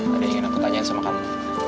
tadi ingin aku tanyain sama kamu